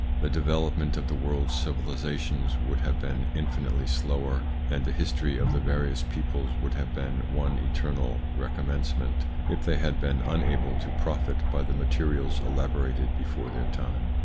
The development of the world's civilisations would have been infinitely slower, and the history of the various peoples would have been one eternal recommencement, if they had been unable to profit by the materials elaborated before their time.